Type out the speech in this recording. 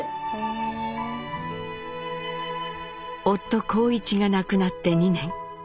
夫・幸一が亡くなって２年。